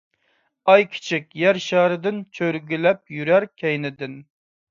ئاي كىچىك يەر شارىدىن، چۆرگۈلەپ يۈرەر كەينىدىن.